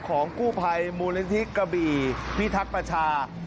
ของกู้ภัยมูลนิษฐิกะบี่พิทักษา